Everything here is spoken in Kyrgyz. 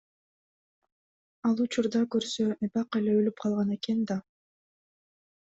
Ал учурда көрсө эбак эле өлүп калган экен да.